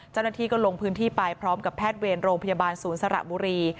เจ้าหน้าที่ก็ลงพื้นที่ไปพร้อมกับแพทย์เวรโรงพยาบาลศูนย์สระบุรี